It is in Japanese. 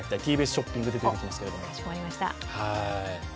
ＴＢＳショッピングで出てきますけども。